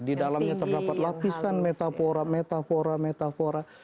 di dalamnya terdapat lapisan metafora metafora metafora